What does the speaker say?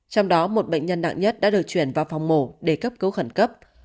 trong đó một bệnh nhân nặng nhất đã được chuyển vào phòng mổ để cấp cứu khẩn cấp